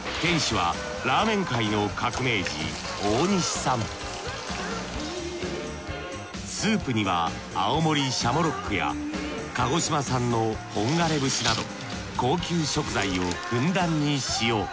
店主はスープには青森シャモロックや鹿児島産の本枯れ節など高級食材をふんだんに使用。